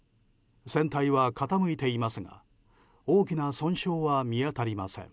船体は傾いていますが大きな損傷は見当たりません。